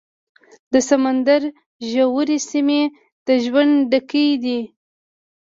د سمندر ژورې سیمې د ژوند ډکې دي.